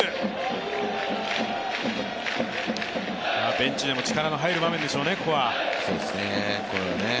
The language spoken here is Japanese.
ベンチでも力の入る場面でしょうね、ここは。